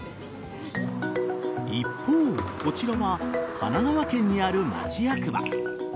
一方、こちらは神奈川県にある町役場。